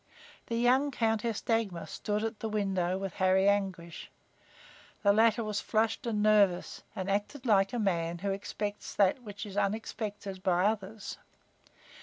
The young Countess Dagmar stood at a window with Harry Anguish. The latter was flushed and nervous and acted like a man who expects that which is unexpected by others.